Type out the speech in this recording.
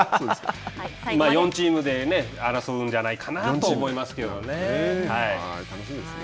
４チームで争うんじゃないかなと楽しみですね。